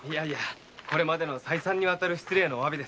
これまでの再三にわたる失礼のお詫びです。